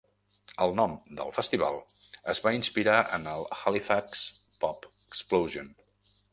El nom del festival es va inspirar en el Halifax Pop Explosion.